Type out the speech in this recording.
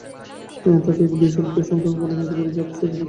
তাকে এক-দুই শব্দে সংক্ষেপে বলা হয়, যাতে সহজেই বুঝে নিতে পারে।